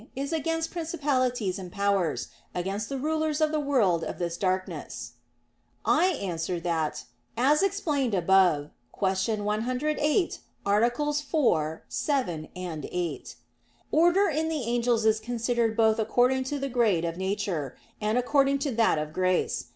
is against principalities and powers, against the rulers of the world of this darkness." I answer that, As explained above (Q. 108, AA. 4, 7, 8), order in the angels is considered both according to the grade of nature; and according to that of grace.